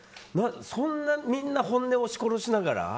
そんなみんな本音を押し殺しながら？